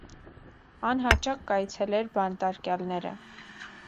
Ան յաճակ կ՚այցելէր բանտարկեալները։